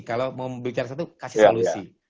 kalau mau bicara satu kasih solusi